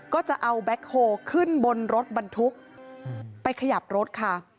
ก็จะเอาแบ็คโฮขึ้นบนรถบรรทุกไปขยับรถค่ะ